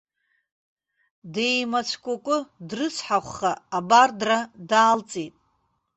Деимацәкәыкәы дрыцҳахәха абардра даалҵит.